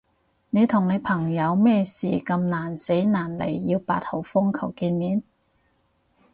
你同你朋友咩事咁難捨難離要八號風球見面？